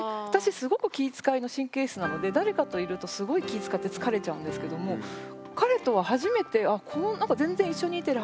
すごく気ぃ遣いの神経質なので誰かといるとすごい気ぃ遣って疲れちゃうんですけども彼とはへえ。